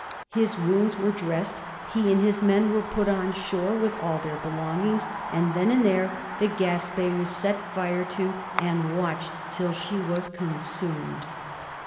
His wounds were dressed: he and his men were put on shore with all their belongings, and then and there the "Gaspee" was set fire to and watched till she was consumed.